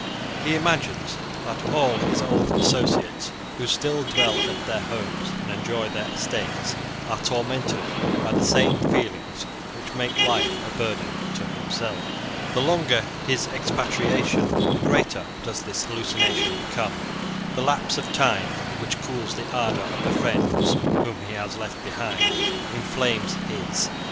He imagines that all his old associates, who still dwell at their homes and enjoy their estates, are tormented by the same feelings which make life a burden to himself. The longer his expatriation, the greater does this hallucination become. The lapse of time, which cools the ardour of the friends whom he has left behind, inflames his.